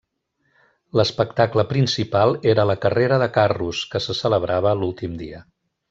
L'espectacle principal era la carrera de carros, que se celebrava l'últim dia.